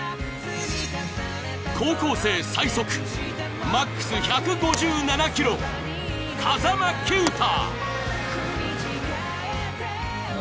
高校生最速、ＭＡＸ１５７キロ、風間球打。